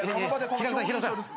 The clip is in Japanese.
平子さん平子さん。